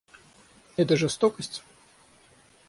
Это жестокость?